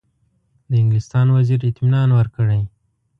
د انګلستان وزیر اطمینان ورکړی.